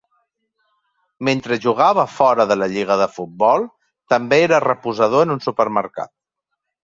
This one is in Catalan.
Mentre jugava fora de la lliga de futbol, també era reposador en un supermercat.